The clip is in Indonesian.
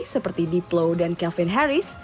seperti diplo dan kelvin harris